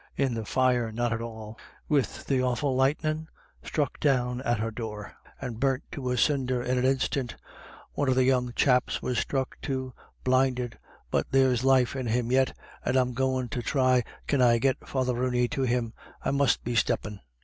In the fire? Not at all — wid the awful lightnin' — sthruck down at her door, and burnt to a cinder in an instiant One of the young chaps was sthruck too — blinded — but there's life in him yit, and I'm goin' to thry can I git Father Rooney to him — I must be steppin'."